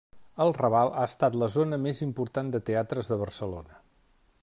El Raval ha estat la zona més important de teatres de Barcelona.